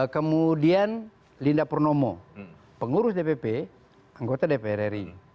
kemudian linda purnomo pengurus dpp anggota dpr ri